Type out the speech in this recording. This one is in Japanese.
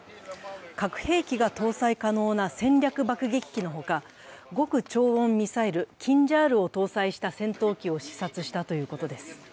核兵器が搭載可能な戦略爆撃機のほか、極超音速ミサイル、キンジャールを搭載した戦闘機を視察したということです。